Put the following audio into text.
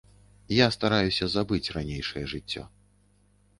Я стараюся забыць ранейшае жыццё.